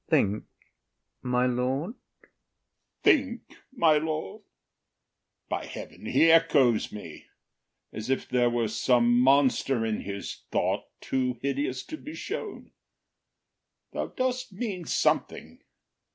IAGO. Think, my lord? OTHELLO. Think, my lord? By heaven, he echoes me, As if there were some monster in his thought Too hideous to be shown. Thou dost mean something.